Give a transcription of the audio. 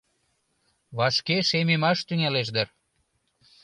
Вашке шемемаш тӱҥалеш дыр.